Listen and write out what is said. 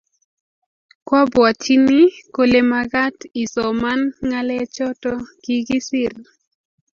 kyabwatyini kole magaat isomaan ngalechoto kigisiir